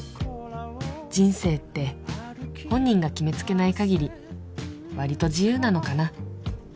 人生って本人が決めつけないかぎりわりと自由なのかな